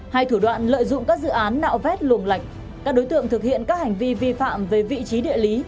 hay thủ đoạn lợi dụng các dự án nạo vét luồng lạch các đối tượng thực hiện các hành vi vi phạm về vị trí địa lý